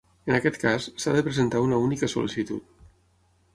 En aquest cas, s'ha de presentar una única sol·licitud.